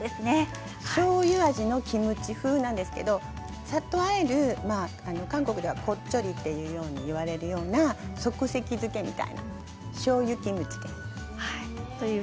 しょうゆ味のキムチ風なんですけどさっとあえる韓国ではコッチョリというふうに言われるような即席漬けみたいなしょうゆキムチです。